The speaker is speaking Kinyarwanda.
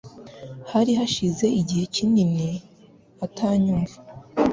Hari hashize igihe kinini atanyumva.